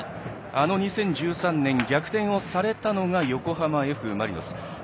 あの２０１３年逆転をされたのが横浜Ｆ・マリノス。